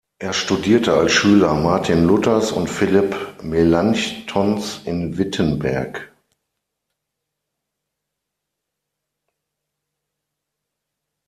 Er studierte als Schüler Martin Luthers und Philipp Melanchthons in Wittenberg.